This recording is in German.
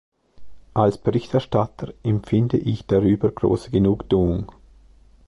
Als Berichterstatter empfinde ich darüber große Genugtuung.